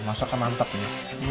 masakan mantap ini